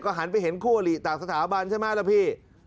ก็หันไปเห็นคู่อลีตากสถาบันใช่มั้ยล่ะพี่